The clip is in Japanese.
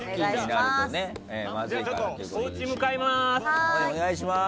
おうち向かいます！